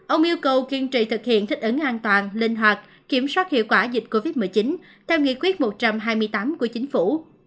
ông yêu cầu kiên trì thực hiện thích ứng an toàn linh hoạt kiểm soát hiệu quả dịch covid một mươi chín theo nghị quyết một trăm hai mươi tám của chính phủ